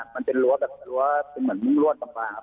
มันเป็นรั้วแบบรั้วที่เหมือนมุ่งรั่วต่ำปลาครับ